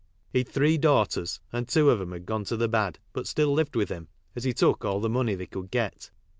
He'd £' e * ^gbtff? and two of 'em had gone to the bad but still lived with him, as he took all the money they could get.